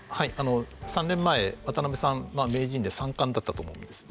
３年前渡辺さんは名人で三冠だったと思います。